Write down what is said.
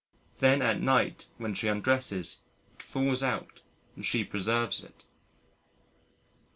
Then at night when she undresses, it falls out and she preserves it.